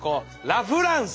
ラフランス！